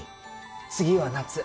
次は夏。